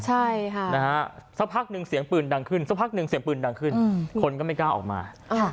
ใช่ค่ะนะฮะสักพักหนึ่งเสียงปืนดังขึ้นสักพักหนึ่งเสียงปืนดังขึ้นคนก็ไม่กล้าออกมา